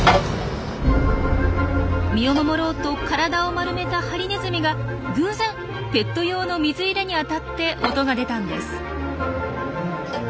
身を守ろうと体を丸めたハリネズミが偶然ペット用の水入れに当たって音が出たんです。